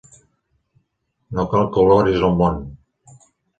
No cal que oloris el món!